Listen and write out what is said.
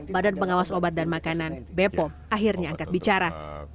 badan pengawas obat dan makanan bepom akhirnya angkat bicara